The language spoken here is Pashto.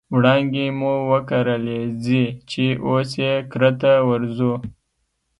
وړانګې مو وکرلې ځي چې اوس یې کرته ورځو